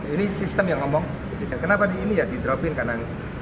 ini sistem yang ngomong kenapa ini ya didropin karena